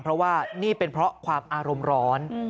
เพราะว่านี่เป็นเพราะความอารมณ์ร้อน